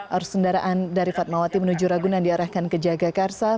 arus kendaraan dari fatmawati menuju ragunan diarahkan ke jagakarsa